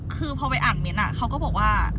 คือพอไปอ่านเมนต์เขาก็บอกว่า